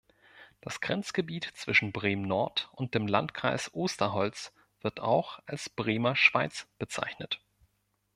Das Grenzgebiet zwischen Bremen-Nord und dem Landkreis Osterholz wird auch als "Bremer Schweiz" bezeichnet.